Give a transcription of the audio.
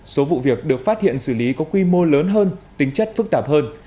số vụ việc được phát hiện xử lý có quy mô lớn hơn tính chất phức tạp hơn